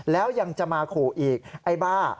แล้วยังจะมาขู่อีกไอ้บ้า